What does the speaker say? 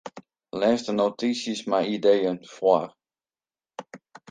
Lês de notysjes mei ideeën foar.